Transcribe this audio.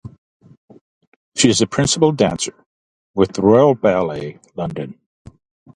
She is a principal dancer with The Royal Ballet, London.